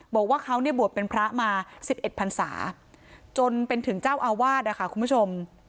บอกว่าเขาเนี่ยบวชเป็นพระมา๑๑พันศาจนเป็นถึงเจ้าอาวาสนะคะคุณผู้ชม